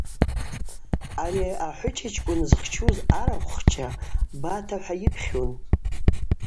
Ари ахӏвычачкӏвын зхчуз арахвхча Бата – хӏва йыпхьун.